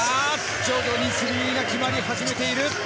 徐々にスリーが決まり始めている。